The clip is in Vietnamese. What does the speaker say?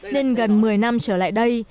nên gần một mươi năm trở lại đây